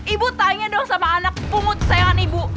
ibu tanya dong sama anak pungut sayangan ibu